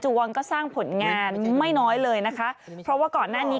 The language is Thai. วันก็สร้างผลงานไม่น้อยเลยนะคะเพราะว่าก่อนหน้านี้